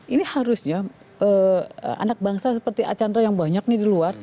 ini harusnya anak bangsa seperti archandra yang banyak nih di luar